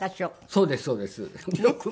そうですそうです。よく。